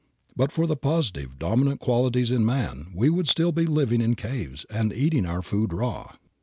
But for the positive, dominant qualities in man we would still be living in caves and eating our food raw.